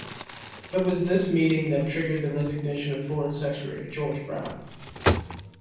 It was this meeting that triggered the resignation of Foreign Secretary George Brown.